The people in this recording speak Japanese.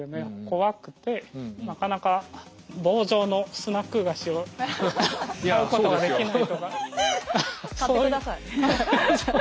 怖くてなかなか棒状のスナック菓子を買うことができないとかそういう。